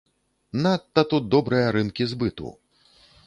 Надта тут добрыя рынкі збыту!